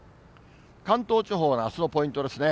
関東地方のあすのポイントですね。